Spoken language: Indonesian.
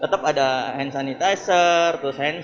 tetap ada hand sanitizer hand soap cuci tangan